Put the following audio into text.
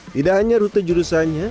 tidak hanya rute jurusannya